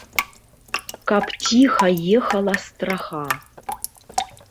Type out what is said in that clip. Каб ціха ехала страха.